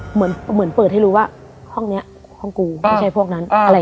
เหมือนเปิดให้รู้ว่าห้องนี้ห้องกูไม่ใช่พวกนั้นอะไร